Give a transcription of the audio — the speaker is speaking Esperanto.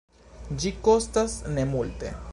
Ĝi kostas nemulte.